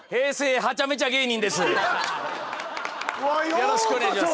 よろしくお願いします。